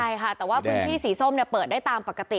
ใช่ค่ะแต่ว่าพื้นที่สีส้มเปิดได้ตามปกติ